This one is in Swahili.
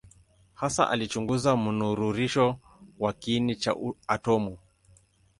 Hasa alichunguza mnururisho wa kiini cha atomu.